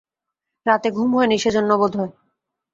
রাতে ঘুম হয় নি, সে-জন্য বোধহয়।